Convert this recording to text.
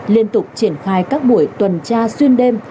liên tục triển khai các buổi tuần tra xuyên đêm